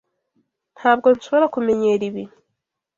Ntabwo nshobora kumenyera ibi.